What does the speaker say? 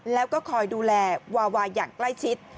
แล้วก็คอยดูแลวาวาอย่างใกล้ชิด